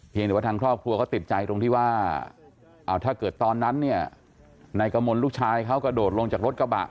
หรือว่าทางครอบครัวเขาติดใจตรงที่ว่าถ้าเกิดตอนนั้นเนี่ยนายกมลลูกชายเขากระโดดลงจากรถกระบะ